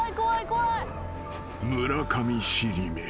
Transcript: ［村上尻目。